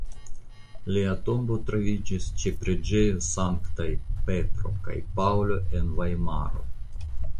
Lia tombo troviĝis ĉe Preĝejo Sanktaj Petro kaj Paŭlo en Vajmaro.